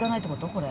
これ。